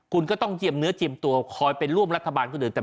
คุณก็ต้องเจียมเนื้อเจียมตัวคอยไปร่วมรัฐบาลคนอื่น